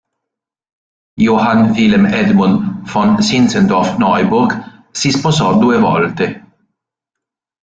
Johann Wilhelm Edmund von Sinzendorf-Neuburg si sposò due volte.